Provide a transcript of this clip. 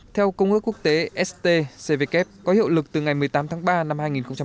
theo công ước quốc tế st cvk có hiệu lực từ ngày một mươi tám tháng ba năm hai nghìn hai mươi